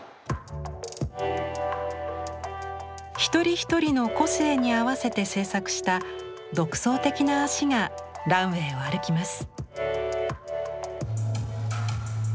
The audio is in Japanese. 一人一人の個性に合わせて制作した独創的な足がランウェイを歩きます。